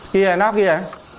kìa nó kìa